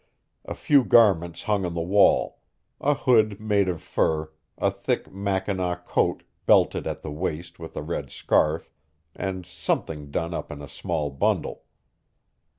A few garments hung on the wall a hood made of fur, a thick mackinaw coat belted at the waist with a red scarf, and something done up in a small bundle.